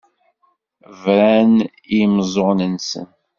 Bran i yimeẓẓuɣen-nsen.